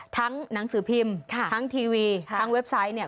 หนังสือพิมพ์ทั้งทีวีทั้งเว็บไซต์เนี่ย